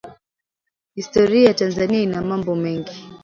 historia ya Tanzania ina mambo mengi